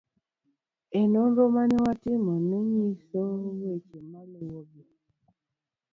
e Nonro ma ne watimo nonyiso weche maluwegi